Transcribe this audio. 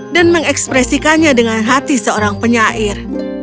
mengekspresikannya dengan hati seorang penyair